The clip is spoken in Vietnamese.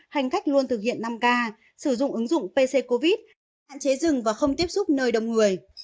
hành khách luôn thực hiện năm k sử dụng ứng dụng pc covid hạn chế dừng và không tiếp xúc nơi đông người